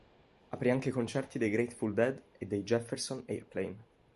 Aprì anche i concerti dei Grateful Dead e dei Jefferson Airplane.